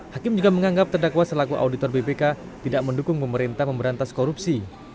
hakim juga menganggap terdakwa selaku auditor bpk tidak mendukung pemerintah memberantas korupsi